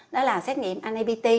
đó là xét nghiệm napt